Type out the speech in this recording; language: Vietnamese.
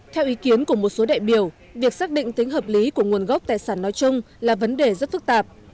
theo ý kiến của một số đại biểu việc xác định tính hợp lý của nguồn gốc tài sản nói chung là vấn đề rất phức tạp